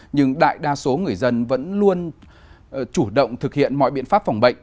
nhưng đại đa số người dân vẫn luôn chủ động thực hiện mọi biện pháp phòng bệnh